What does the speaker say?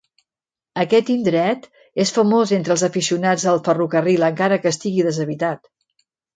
Aquest indret és famós entre els aficionats al ferrocarril encara que estigui deshabitat.